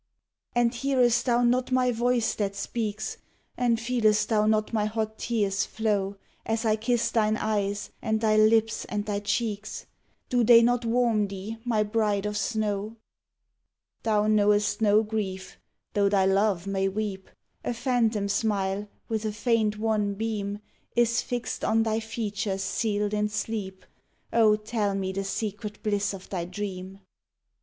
And hearest thou not my voice that speaks? And feelest thou not my hot tears flow As I kiss thine eyes and thy lips and thy cheeks? Do they not warm thee, my bride of snow? Thou knowest no grief, though thy love may weep. A phantom smile, with a faint, wan beam, Is fixed on thy features sealed in sleep: Oh tell me the secret bliss of thy dream.